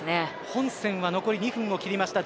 本戦は残り２分を切りました。